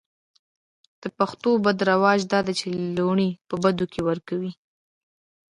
د پښتو بد رواج دا ده چې لوڼې په بدو کې ور کوي.